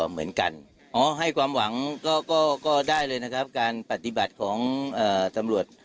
เหมือนกันอ๋อให้ความหวังก็ได้เลยนะครับการปฏิบัติของตำรวจ